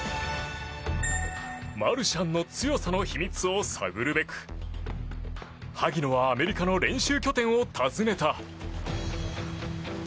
マルシャンの強さの秘密を探るべく萩野はアメリカの練習拠点を訪ねた。